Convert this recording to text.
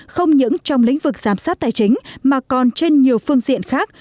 không những trong lĩnh vực giám sát tài chính mà còn trên nhiều phương diện khác